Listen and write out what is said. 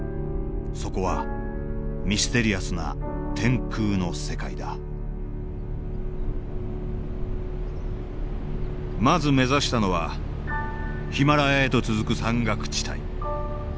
そこはミステリアスな天空の世界だまず目指したのはヒマラヤへと続く山岳地帯。